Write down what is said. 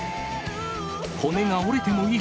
骨が折れてもいい。